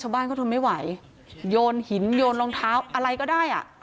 ชาวบ้านเขาทนไม่ไหวโยนหินโยนรองเท้าอะไรก็ได้อ่ะ